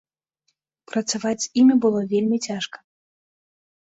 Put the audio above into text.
Працаваць з імі было вельмі цяжка.